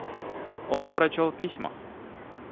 Он прочел письма.